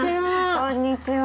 こんにちは。